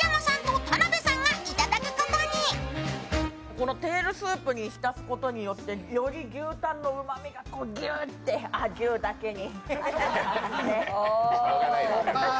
このテールスープに浸すことによってより牛タンのうまみがギュッてあっ、牛だけに。